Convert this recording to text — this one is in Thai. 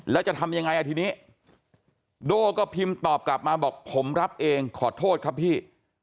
แล้วจะทำยังไงอ่ะทีนี้โด้ก็พิมพ์ตอบกลับมาบอกผมรับเองขอโทษครับพี่